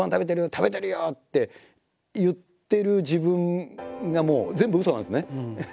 「食べてるよ」って言ってる自分がもう全部うそなんですね。